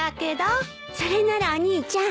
それならお兄ちゃん